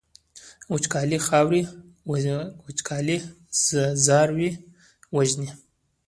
وچکالي څاروي وژني.